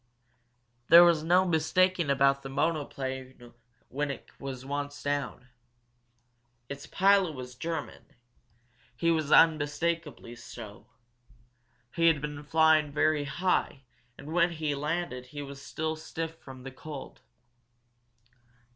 There was no mistaking about the monoplane when it was once down. Its pilot was German; he was unmistakably so. He had been flying very high and when he landed he was still stiff from the cold.